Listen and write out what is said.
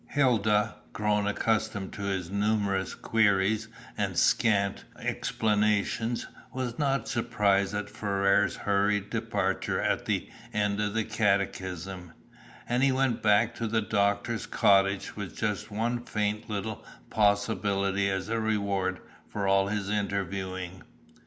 Hilda, grown accustomed to his numerous queries and scant explanations, was not surprised at Ferrars' hurried departure at the end of the catechism, and he went back to the doctor's cottage with just one faint little possibility as a reward for all this interviewing.